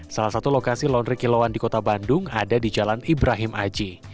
salah satu lokasi laundry kilauan di kota bandung ada di jalan ibrahim aji